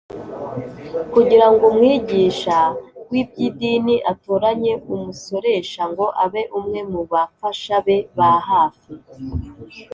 kugira ngo umwigisha w’iby’idini atoranye umusoresha ngo abe umwe mu bafasha be ba hafi,